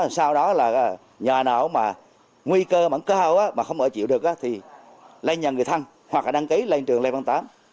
sau đó là nhà nào mà nguy cơ vẫn cao mà không ở chịu được thì lên nhà người thân hoặc là đăng ký lên trường lê văn tám